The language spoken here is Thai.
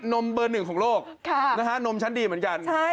นมเบอร์หนึ่งของโลกค่ะนะฮะนมชั้นดีเหมือนกันใช่